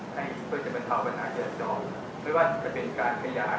ให้ก็จะเป็นเท่าปัญหาเยอะจอดไม่ว่าจะเป็นการขยายนะฮะ